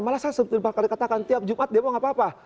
malah saya sepuluh kali katakan tiap jumat demo gak apa apa